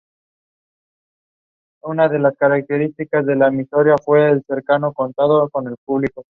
Esta carretera fue mejorado más tarde por los gobernantes británicos de la India colonial.